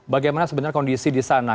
bagaimana sebenarnya kondisi di sana